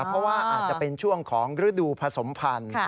เพราะว่าอาจจะเป็นช่วงของฤดูผสมพันธุ์